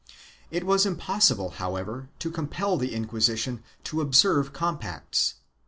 It was impossible however to compel the Inquisition to observe compacts.